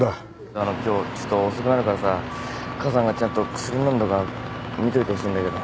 あの今日ちょっと遅くなるからさ母さんがちゃんと薬飲んだか見といてほしいんだけど。